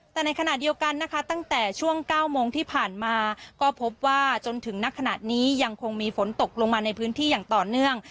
แต่ในขณะเดียวกันนะคะตั้งแต่ช่วง๙โมงที่ผ่านมาก็พบว่าจนถึงนักขณะนี้ยังคงมีฝนตกลงมาในพื้นที่อย่างต่อเนื่อง